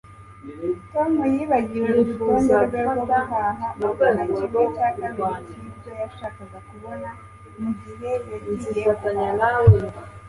Tom yibagiwe urutonde rwe rwo guhaha abona kimwe cya kabiri cyibyo yashakaga kubona mugihe yagiye guhaha